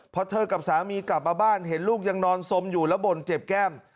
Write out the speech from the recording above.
พอเธอกับสามีกลับมาบ้านเห็นลูกยังนอนสมอยู่แล้วบ่นเจ็บแก้ม